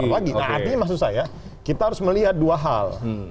artinya maksud saya kita harus melihat dua hal